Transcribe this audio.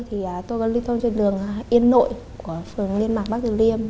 thì tôi có liên tục trên đường yên nội của phường liên mạc bắc đường liêm